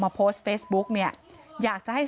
ตังค์อะไรอีก